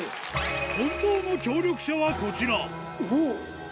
本当の協力者はこちらおぉ！